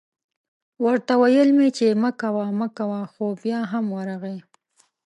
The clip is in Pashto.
ورته ویل مې چې مه کوه مه کوه خو بیا هم ورغی